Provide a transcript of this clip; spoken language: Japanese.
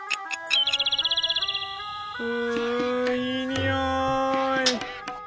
ういいにおい。